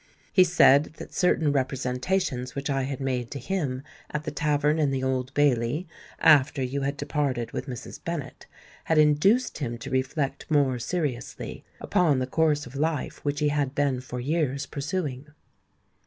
He said that certain representations which I had made to him at the tavern in the Old Bailey, after you had departed with Mrs. Bennet, had induced him to reflect more seriously upon the course of life which he had been for years pursuing."